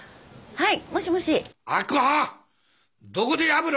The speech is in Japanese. はい。